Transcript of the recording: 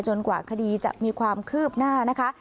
กว่าคดีจะมีความคืบหน้านะคะ